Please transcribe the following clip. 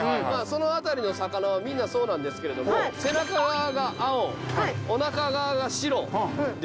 その辺りの魚はみんなそうなんですけれども背中側が青おなか側が白ですよね。